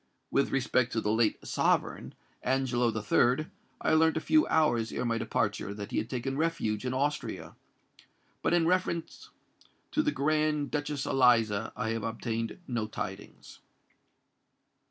With respect to the late sovereign, Angelo III., I learnt a few hours ere my departure, that he had taken refuge in Austria; but in reference to the Grand Duchess Eliza I have obtained no tidings."